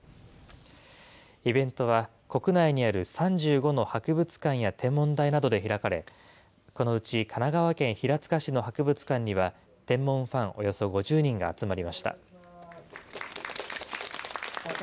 イベントは国内にある３５の博物館や天文台などで開かれ、このうち神奈川県平塚市の博物館には、天文ファンおよそ５０人が集まりました。